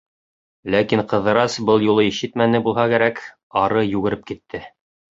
Ләкин Ҡыҙырас, был юлы ишетмәне булһа кәрәк, ары йүгереп китте.